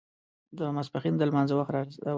د ماسپښين د لمانځه وخت را ورسېد.